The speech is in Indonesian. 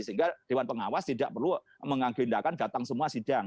sehingga dewan pengawas tidak perlu mengagendakan datang semua sidang